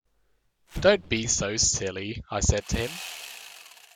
‘Don’t be so silly,’ I said to him.